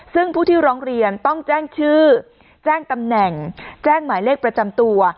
ซึ่งผู้ที่ร้องเรียนต้องแจ้งชื่อแจ้งตำแหน่งแจ้งหมายเลขประจำตัว